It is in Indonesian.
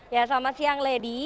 ya selamat siang lady